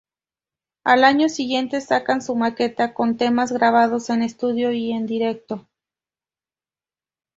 Al año siguiente sacan su maqueta, con temas grabados en estudio y en directo.